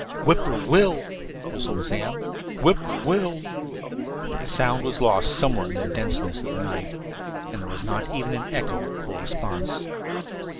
"Whip poor will l l," whistled Slim. "Whip poor will l l." But the sound was lost somewhere in the denseness of the night, and there was not even an echo for response.